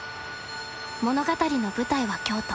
物語の舞台は京都。